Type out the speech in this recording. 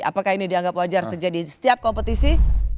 apakah ini dianggap wajar terjadi di setiap kompetisi